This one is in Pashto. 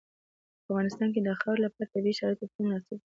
په افغانستان کې د خاورې لپاره طبیعي شرایط پوره مناسب دي.